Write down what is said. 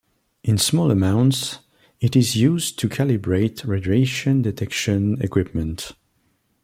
In small amounts, it is used to calibrate radiation-detection equipment.